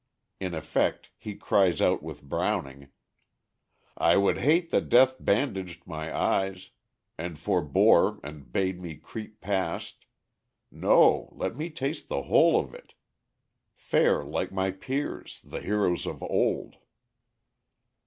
In effect, he cries out with Browning: "I would hate that death bandaged my eyes, And forbore, and bade me creep past. No! let me taste the whole of it; fare like my peers, The heroes of old."